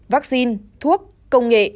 vaccine thuốc công nghệ